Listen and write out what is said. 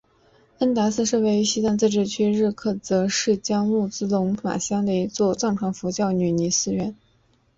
恩达寺是位于西藏自治区日喀则市江孜县龙马乡的一座藏传佛教的女尼寺院。